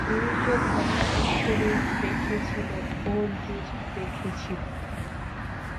দুর্যোধনও বিশ্বরূপ দেখেছিল, অর্জুনও দেখেছিল।